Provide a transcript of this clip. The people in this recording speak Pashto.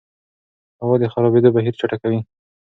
هوا د خرابېدو بهیر چټکوي.